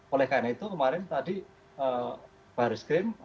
oleh karena itu kemarin tadi baris krim